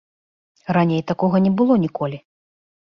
Раней такога не было ніколі.